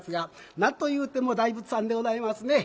何と言うても大仏さんでございますね。